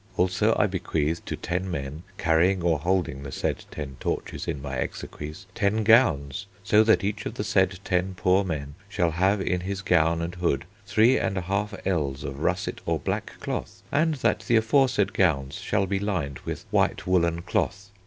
Also I bequeath to 10 men carrying or holding the said 10 Torches in my exequies 10 Gowns, so that each of the said 10 poor men shall have in his gown and hood 3 1/2 ells of russet or black cloth, and that the aforesaid gowns shall be lined with white woollen cloth.